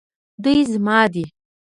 دوی زما دي